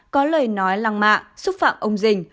có lời nói lăng mạ xúc phạm ông dình